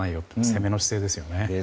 攻めの姿勢ですよね。